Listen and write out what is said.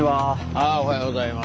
ああおはようございます。